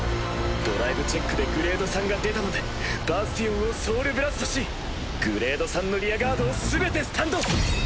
ドライブチェックでグレード３が出たのでバスティオンをソウルブラストしグレード３のリアガードをすべてスタンド！